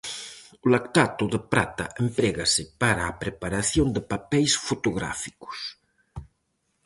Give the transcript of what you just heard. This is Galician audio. O lactato de prata emprégase para a preparación de papeis fotográficos.